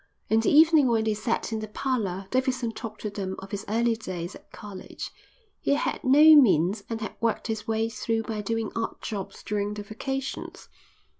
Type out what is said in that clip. In the evening when they sat in the parlour Davidson talked to them of his early days at college. He had had no means and had worked his way through by doing odd jobs during the vacations.